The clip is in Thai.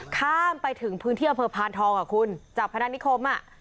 ข้ามไปถึงพื้นที่อำเภอพานทองอ่ะคุณจากพนักนิคมอ่ะ